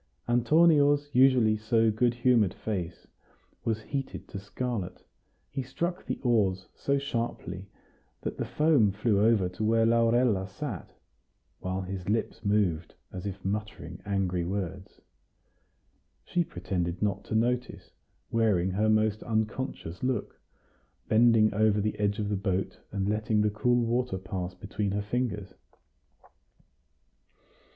Antonio's usually so good humored face was heated to scarlet; he struck the oars so sharply that the foam flew over to where Laurella sat, while his lips moved as if muttering angry words. She pretended not to notice, wearing her most unconscious look, bending over the edge of the boat, and letting the cool water pass between her fingers.